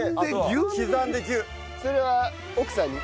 それは奥さんに？